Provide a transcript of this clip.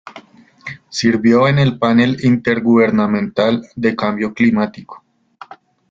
Sirvió en el Panel Intergubernamental de Cambio Climático.